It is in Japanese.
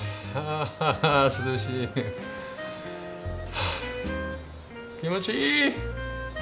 はあ気持ちいい！